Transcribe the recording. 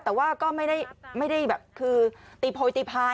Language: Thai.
แต่ว่าก็ไม่ได้แบบคือตีโพยตีพาย